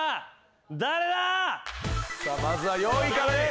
まずは４位からです。